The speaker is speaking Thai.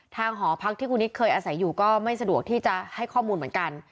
หอพักที่คุณนิดเคยอาศัยอยู่ก็ไม่สะดวกที่จะให้ข้อมูลเหมือนกัน